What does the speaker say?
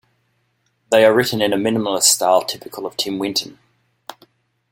They are written in a minimalist style typical of Tim Winton.